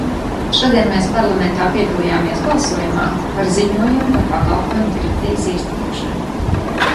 Šodien mēs Parlamentā piedalījāmies balsojumā par ziņojumu par Pakalpojumu direktīvas īstenošanu.